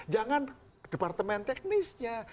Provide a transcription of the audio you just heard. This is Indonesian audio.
jangan ke departemen teknisnya